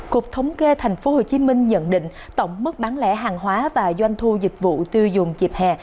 cục thống kê tp hcm nhận định tổng mức bán lẻ hàng hóa và doanh thu dịch vụ tiêu dùng dịp hè